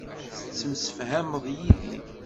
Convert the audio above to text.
Tettemsefhameḍ yid-i.